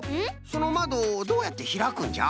そのまどどうやってひらくんじゃ？